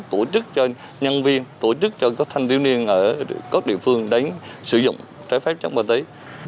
tổ chức cho nhân viên tổ chức cho các thanh thiếu niên ở các địa phương đến sử dụng trái phép chất ma túy